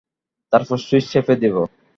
তারপর সুইচ চেপে দেব।